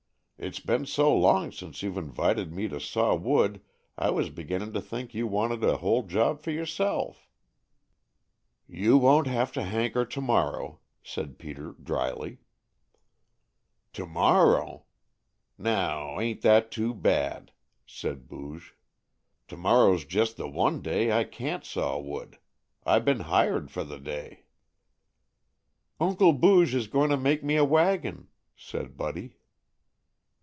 It's been so long since you've invited me to saw wood I was beginnin' to think you wanted the whole job for yourself." "You won't have to hanker to morrow," said Peter dryly. "To morrow? Now, ain't that too bad!" said Booge. "To morrow's just the one day I can't saw wood. I been hired for the day." "Uncle Booge is going to make me a wagon," said Buddy.